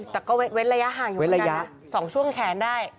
แต่ก็เว้นระยะห่างอยู่ตรงนั้นสองช่วงแขนได้